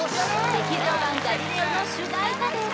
劇場版「ガリレオ」の主題歌です